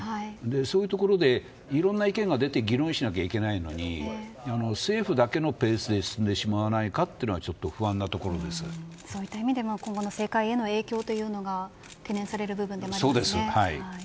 そういうところで、いろいろな意見が出て議論しなきゃいけないのに政府だけのペースで進んでしまわないかそういった意味でもこれからの政界への影響が懸念される部分ですね。